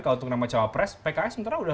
kalau untuk nama cawa press pks sementara udah